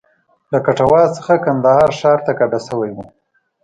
له کټواز څخه کندهار ښار ته کډه شوی و.